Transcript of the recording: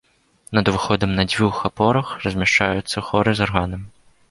Над уваходам на дзвюх апорах размяшчаюцца хоры з арганам.